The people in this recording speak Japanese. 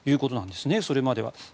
それまでは。